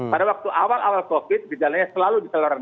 pada waktu awal awal covid gejalanya selalu di telur nafas